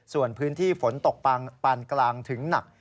ส่วนพื้นที่ฝนตกปานกลางถึงหนัก